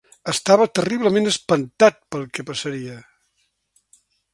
Estava terriblement espantat pel que passaria.